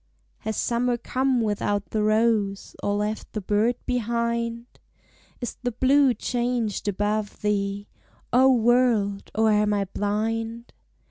Has summer come without the rose, Or left the bird behind? Is the blue changed above thee, O world! or am I blind?